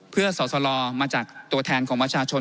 เพื่อสอสลมาจากตัวแทนของประชาชน